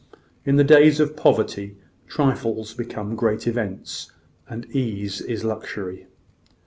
In the days of poverty, trifles become great events, and ease is luxury.